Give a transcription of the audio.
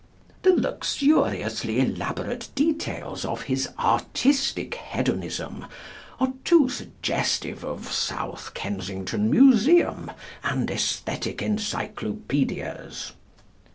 The luxuriously elaborate details of his "artistic hedonism," are too suggestive of South Kensington Museum and æsthetic Encyclopædias.